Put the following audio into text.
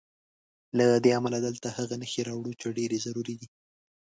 له دې امله دلته هغه نښې راوړو چې ډېرې ضروري دي.